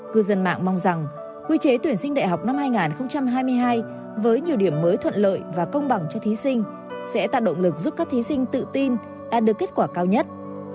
cư dân mạng mong rằng quy chế tuyển sinh đại học năm hai nghìn hai mươi hai với nhiều điểm mới thuận lợi và công bằng cho thí sinh sẽ tạo động lực giúp các thí sinh tự tin đạt được kết quả cao nhất